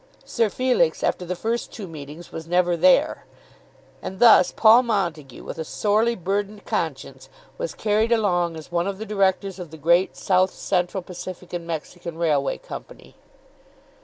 Sir Felix, after the first two meetings, was never there. And thus Paul Montague, with a sorely burdened conscience, was carried along as one of the Directors of the Great South Central Pacific and Mexican Railway Company.